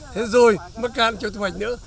thế rồi mắc ca cho thu hoạch nữa